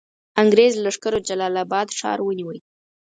انګرېز لښکرو جلال آباد ښار ونیوی.